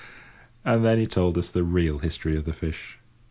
And then he told us the real history of the fish.